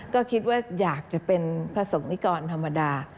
ก็คิดว่าอยากจะเป็นพระศกนิกรธรรมดา